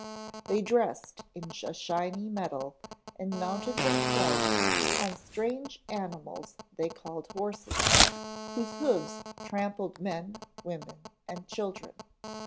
They dressed in a shiny metal and mounted themselves on strange animals they called horses, whose hoofs trampled men, women and children.